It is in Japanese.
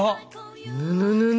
ぬぬぬぬ。